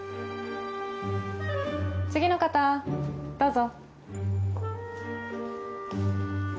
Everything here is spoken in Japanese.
次の方どうぞ。